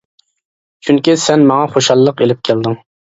چۈنكى سەن ماڭا خۇشاللىق ئىلىپ كەلدىڭ.